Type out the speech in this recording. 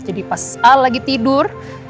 jadi pas al lagi tidur